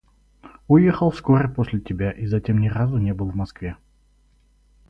Уехал вскоре после тебя и затем ни разу не был в Москве.